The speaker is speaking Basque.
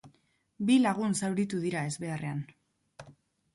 Bi lagun zauritu dira ezbeharrean.